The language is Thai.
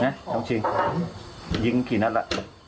นะทำจริงยิงกี่นัดละ